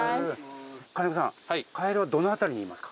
金子さんカエルはどの辺りにいますか？